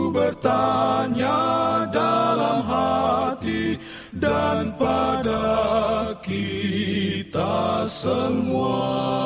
kami bertanya dalam hati dan pada kita semua